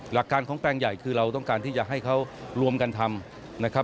หลักการของแปลงใหญ่คือเราต้องการที่จะให้เขารวมกันทำนะครับ